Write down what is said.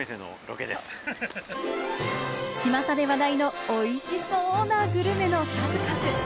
ちまたで話題のおいしそうなグルメの数々。